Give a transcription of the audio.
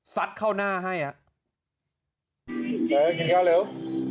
สัตว์เข้าหน้าให้อ่ะแล้วกินข้าวเร็ว